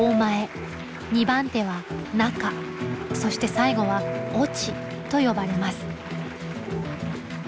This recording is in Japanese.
２番手は「中」そして最後は「落」と呼ばれます。